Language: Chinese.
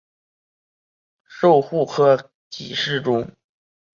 授户科给事中。